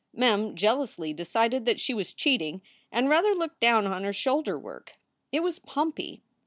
Mem jealously decided that she was cheating and rather looked down on her shoulder work. It was pumpy.